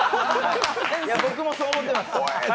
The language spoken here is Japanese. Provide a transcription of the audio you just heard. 僕もそう思ってます